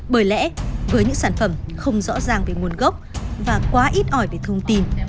bởi lẽ với những sản phẩm không rõ ràng về nguồn gốc và quá ít ỏi về thông tin